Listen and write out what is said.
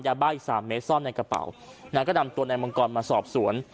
ยาบ้าอีกสามเมตรซ่อนในกระเป๋านางก็นำตัวนายมังกรมาสอบสวน